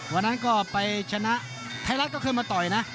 วันนั้นก็ไปชนะไทยรัฐก็เคยมาต่อยนะ